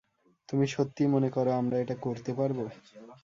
তুমি সত্যিই মনে করো আমরা এটা করতে পারবো?